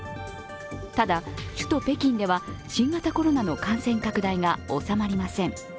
ただ首都・北京では新型コロナの感染拡大が収まりません。